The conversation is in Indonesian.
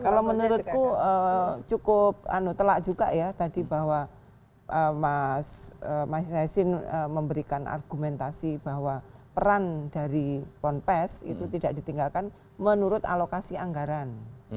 kalau menurutku cukup telak juga ya tadi bahwa mas yassin memberikan argumentasi bahwa peran dari ponpes itu tidak ditinggalkan menurut alokasi anggaran